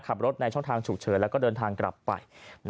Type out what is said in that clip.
ขับรถในช่องทางฉุกเฉินแล้วก็เดินทางกลับไป